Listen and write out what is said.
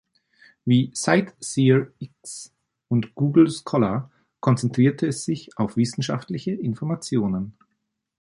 Wie CiteSeerX und Google Scholar konzentrierte es sich auf wissenschaftliche Informationen.